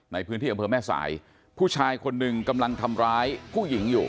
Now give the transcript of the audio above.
ในพื้นที่อำเภอแม่สายผู้ชายคนหนึ่งกำลังทำร้ายผู้หญิงอยู่